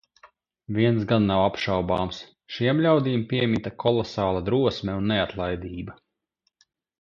Viens gan nav apšaubāms - šiem ļaudīm piemita kolosāla drosme un neatlaidība.